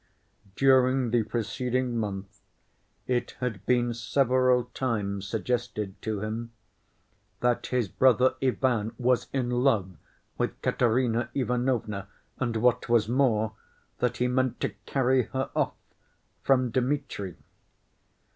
During the preceding month it had been several times suggested to him that his brother Ivan was in love with Katerina Ivanovna, and, what was more, that he meant "to carry her off" from Dmitri.